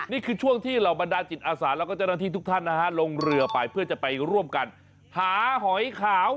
นี่คือช่วงที่เหล่าบรรดาจิตอาสาแล้วก็เจ้าหน้าที่ทุกท่านนะฮะลงเรือไปเพื่อจะไปร่วมกันหาหอยขาว